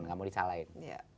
enggak mau disalahin